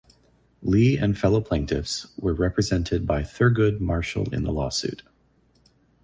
Lee and fellow plaintiffs were represented by Thurgood Marshall in the lawsuit.